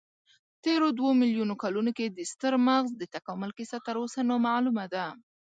تېرو دوو میلیونو کلونو کې د ستر مغز د تکامل کیسه تراوسه نامعلومه ده.